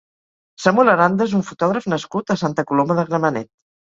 Samuel Aranda és un fotògraf nascut a Santa Coloma de Gramenet.